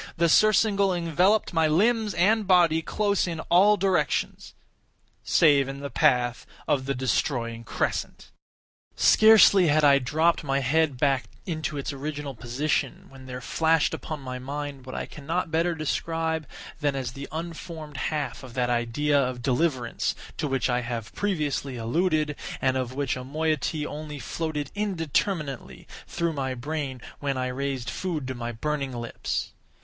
The surcingle enveloped my limbs and body close in all directions—save in the path of the destroying crescent. Scarcely had I dropped my head back into its original position, when there flashed upon my mind what I cannot better describe than as the unformed half of that idea of deliverance to which I have previously alluded, and of which a moiety only floated indeterminately through my brain when I raised food to my burning lips.